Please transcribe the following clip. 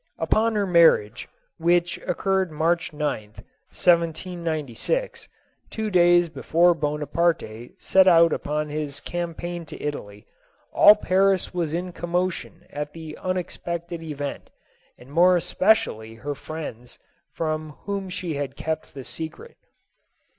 Upon her marriage, which occurred March 9th, 1796, two days before Bonaparte set out upon his campaign to Italy, all Paris was in commotion at the unexpected event, and more especially her friends, from whom she had kept the secrect.